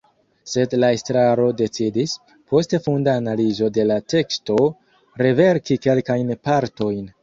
Sed la estraro decidis, post funda analizo de la teksto, reverki kelkajn partojn.